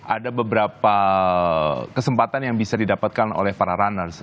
ada beberapa kesempatan yang bisa didapatkan oleh para runners